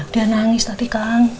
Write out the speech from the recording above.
dia nangis tadi kang